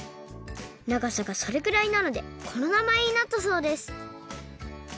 ながさがそれくらいなのでこのなまえになったそうです